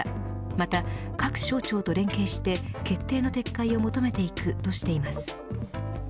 また、各省庁と連携して決定の撤回を求めていくとしています。